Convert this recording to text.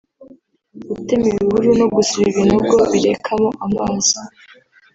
gutema ibihuru no gusiba ibinogo birekamo amazi